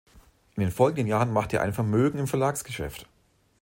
In den folgenden Jahren machte er ein Vermögen im Verlagsgeschäft.